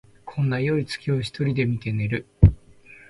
こんなよい月を一人で見て寝る